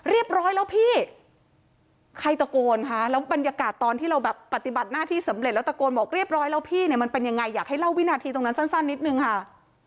ร้อยแล้วพี่ใครตะโกนคะแล้วบรรยากาศตอนที่เราแบบปฏิบัติหน้าที่สำเร็จแล้วตะโกนบอกเรียบร้อยแล้วพี่เนี่ยมันเป็นยังไงอยากให้เล่าวินาทีตรงนั้นสั้นนิดนึงค่ะ